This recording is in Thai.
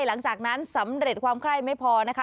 หลังจากนั้นสำเร็จความไคร้ไม่พอนะคะ